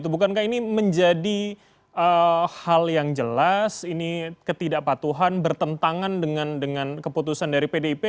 bukankah ini menjadi hal yang jelas ini ketidakpatuhan bertentangan dengan keputusan dari pdip